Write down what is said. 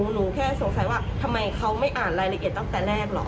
หนูแค่สงสัยว่าทำไมเขาไม่อ่านรายละเอียดตั้งแต่แรกหรอก